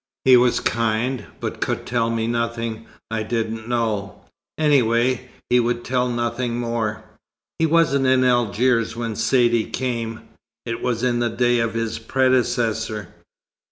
He was kind, but could tell me nothing I didn't know any way, he would tell nothing more. He wasn't in Algiers when Saidee came. It was in the day of his predecessor."